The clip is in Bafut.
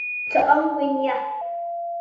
Tsɔʼɔ ŋgwen yâ.